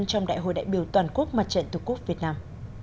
trong đại hội đại biểu toàn quốc mặt trận tổ quốc việt nam